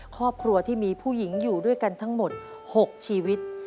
ครอบครัวที่มีผู้หญิงอยู่ด้วยกันทั้งหมด๖ชีวิต